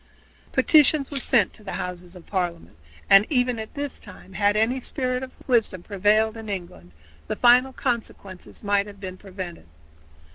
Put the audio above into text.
Petitions were sent to the Houses of Parliament, and even at this time had any spirit of wisdom prevailed in England the final consequences might have been prevented.